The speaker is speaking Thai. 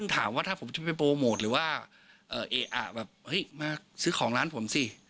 ถ้าผมจะไปโปรโมทหรือว่าเอ๊ะมาซื้อของร้านผมสิ